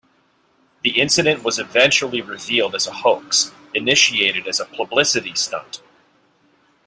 The incident was eventually revealed as a hoax, initiated as a publicity stunt.